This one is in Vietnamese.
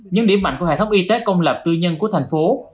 những điểm mạnh của hệ thống y tế công lập tư nhân của thành phố